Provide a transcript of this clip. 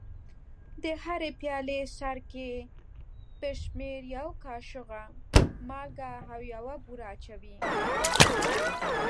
د هرې پیالې سرکې پر شمېر یوه کاشوغه مالګه او یوه بوره اچوي.